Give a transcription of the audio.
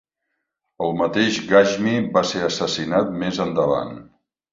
El mateix Ghashmi va ser assassinat més endavant.